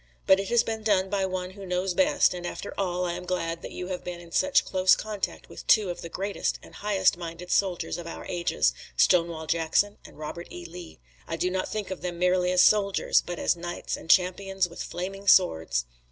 But it has been done by One who knows best, and after all I am glad that you have been in such close contact with two of the greatest and highest minded soldiers of the ages, Stonewall Jackson and Robert E. Lee. I do not think of them merely as soldiers, but as knights and champions with flaming swords.